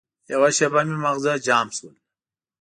یوه شېبه مې ماغزه جام شول.